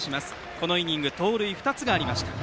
このイニング盗塁２つありました。